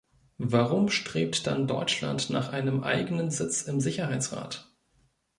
Warum strebt dann Deutschland nach einem eigenen Sitz im Sicherheitsrat?